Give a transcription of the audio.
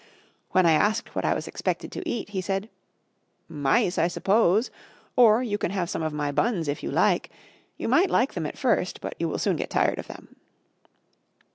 When I asked what I was expected to eat, he said "Mice, I suppose; or you can have some of my buns if you like. You might like them at first, but you will soon get tired of them."